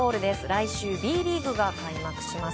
来週、Ｂリーグが開幕します。